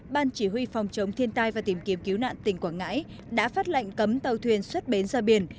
ban chỉ huy phòng chống thiên tai và tìm kiếm cứu nạn tỉnh quảng ngãi đã phát lệnh cấm tàu thuyền xuất bến ra biển